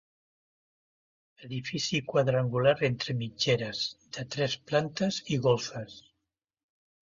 Edifici quadrangular entre mitgeres, de tres plantes i golfes.